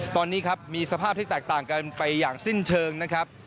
ตอนนี้ครับมีสภาพที่แตกต่างกันไปอย่างสิ้นเชิงนะครับ